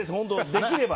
できれば。